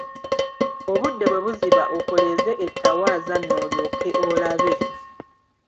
Obudde bwe buziba okoleeza ettawaaza n'olyoke olabe.